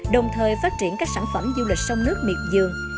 đồng thời phát triển các sản phẩm du lịch sông nước miệt dương